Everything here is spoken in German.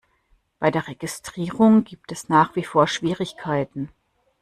Bei der Registrierung gibt es nach wie vor Schwierigkeiten.